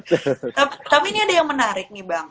tapi ini ada yang menarik nih bang